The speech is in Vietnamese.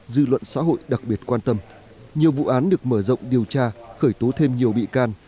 dư luận xã hội đặc biệt quan tâm nhiều vụ án được mở rộng điều tra khởi tố thêm nhiều bị can